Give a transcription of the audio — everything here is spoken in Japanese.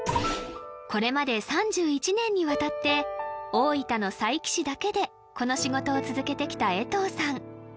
これまで３１年にわたって大分の佐伯市だけでこの仕事を続けてきた江藤さん